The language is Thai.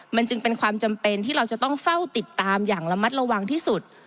มันจึงเป็นความจำเป็นที่เราจะต้องเฝ้าติดตามอย่างระมัดระวังที่สุด